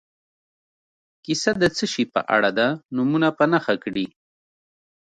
کیسه د څه شي په اړه ده نومونه په نښه کړي.